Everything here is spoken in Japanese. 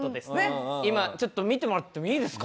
今ちょっと見てもらってもいいですか？